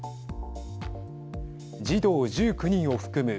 児童１９人を含む